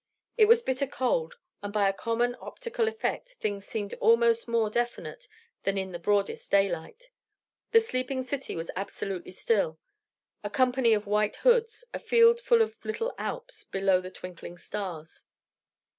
It was bitter cold; and by a common optical effect, things seemed almost more definite than in the broadest daylight. The sleeping city was absolutely still: a company of white hoods, a field full of little Alps, below the twinkling stars.